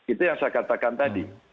itu yang saya katakan tadi